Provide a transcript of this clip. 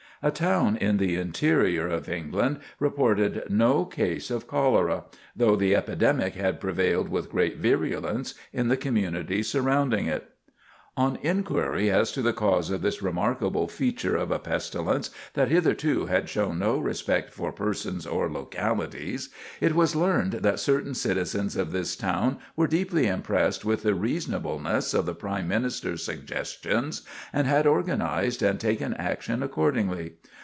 A town in the interior of England reported no case of cholera, though the epidemic had prevailed with great virulence in the communities surrounding it. On inquiry as to the cause of this remarkable feature of a pestilence that hitherto had shown no respect for persons or localities, it was learned that certain citizens of this town were deeply impressed with the reasonableness of the Prime Minister's suggestions, and had organized and taken action accordingly.